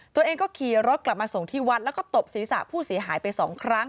ตัวเองก็ขี่รถกลับมาส่งที่วัดแล้วก็ตบศีรษะผู้เสียหายไปสองครั้ง